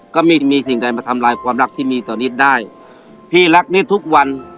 ก็ไม่มีสิ่งใดมาทำลายความรักที่มีต่อนิดได้พี่รักนิดทุกวัน